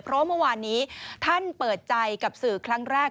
เพราะว่าเมื่อวานนี้ท่านเปิดใจกับสื่อครั้งแรก